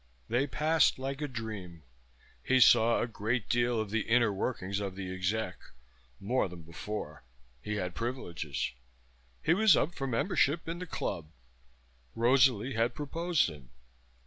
They passed like a dream. He saw a great deal of the inner workings of the exec, more than before. He had privileges. He was up for membership in the club. Rosalie had proposed him.